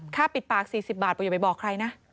ปิดปาก๔๐บาทบอกอย่าไปบอกใครนะ